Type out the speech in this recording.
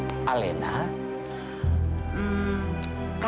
ibu laras sudah mencoba untuk mencoba